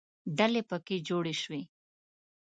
ډلې پکې جوړې شوې.